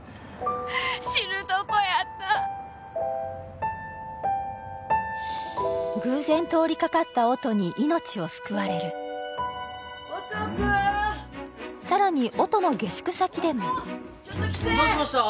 死ぬとこやった偶然通りかかった音に命を救われる音君更に音の下宿先でもちょっと来てー！